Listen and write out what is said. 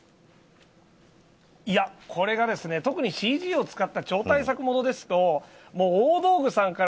いや、これが特にＣＧを使った超大作ものですと大道具さんから